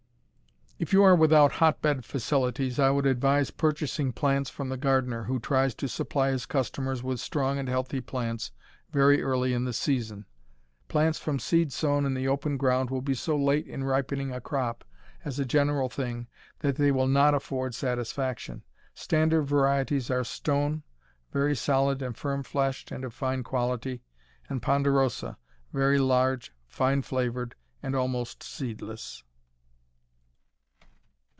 If you are without hotbed facilities I would advise purchasing plants from the gardener, who tries to supply his customers with strong and healthy plants very early in the season. Plants from seed sown in the open ground will be so late in ripening a crop, as a general thing, that they will not afford satisfaction. Standard varieties are Stone, very solid and firm fleshed and of fine quality, and Ponderosa, very large, fine flavored, and almost seedless.